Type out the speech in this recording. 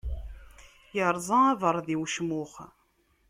Irẓa abeṛdi i ucmux.